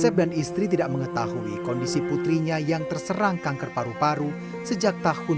asep dan istri tidak mengetahui kondisi putrinya yang terserang kanker paru paru sejak tahun dua ribu tiga belas